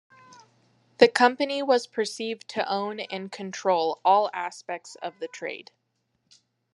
The company was perceived to own and control all aspects of the trade.